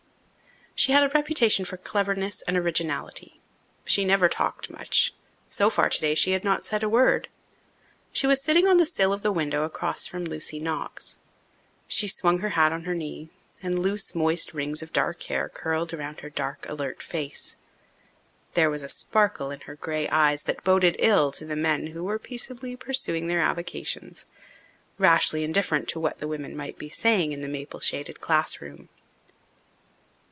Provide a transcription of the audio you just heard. She had a reputation for cleverness and originality. She never talked much. So far today she had not said a word. She was sitting on the sill of the window across from Lucy Knox. She swung her hat on her knee, and loose, moist rings of dark hair curled around her dark, alert face. There was a sparkle in her grey eyes that boded ill to the men who were peaceably pursuing their avocations, rashly indifferent to what the women might be saying in the maple shaded classroom.